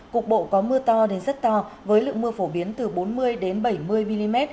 cục bộ có mưa to đến rất to với lượng mưa phổ biến từ bốn mươi bảy mươi mm